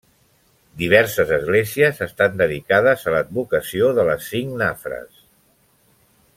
Diverses esglésies estan dedicades a l'advocació de les Cinc Nafres.